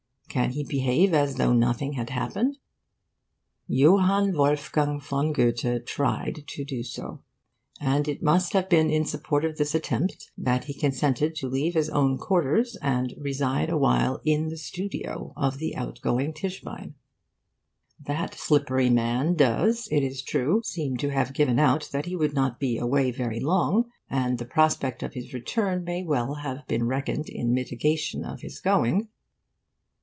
Can he behave as though nothing has happened? Johann Wolfgang von Goethe tried to do so. And it must have been in support of this attempt that he consented to leave his own quarters and reside awhile in the studio of the outgoing Tischbein. That slippery man does, it is true, seem to have given out that he would not be away very long; and the prospect of his return may well have been reckoned in mitigation of his going.